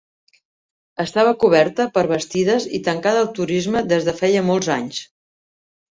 Estava coberta per bastides i tancada al turisme des de feia molts anys.